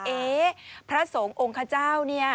เอ๊ะพระสงฆ์องค์ขเจ้าเนี่ย